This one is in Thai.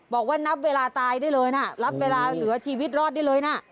บอกว่านับเวลาตายได้เลยนะรับเวลาเหลือชีวิตรอดได้เลยนะ